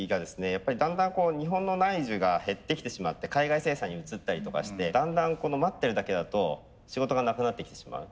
やっぱりだんだん日本の内需が減ってきてしまって海外生産に移ったりとかしてだんだん待ってるだけだと仕事がなくなってきてしまう。